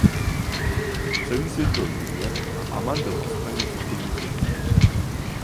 Celý svět byl změněn a Aman byl odstraněn z okruhu světa.